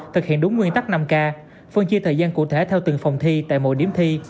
thực hiện đúng nguyên tắc năm k phân chia thời gian cụ thể theo từng phòng thi tại mỗi điểm thi